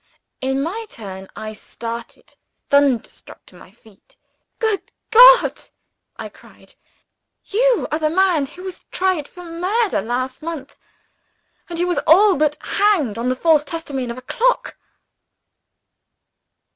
In my turn I started, thunderstruck, to my feet. "Good God!" I cried. "You are the man who was tried for murder last month, and who was all but hanged, on the false testimony of a clock!"